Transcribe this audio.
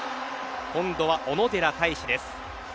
今度は小野寺太志です。